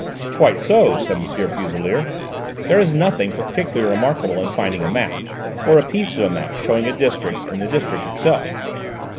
"Quite so," said M. Fuselier. "There is nothing particularly remarkable in finding a map, or a piece of a map, showing a district, in the district itself."